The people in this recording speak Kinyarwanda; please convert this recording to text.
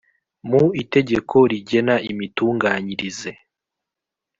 mu Itegeko rigena imitunganyirize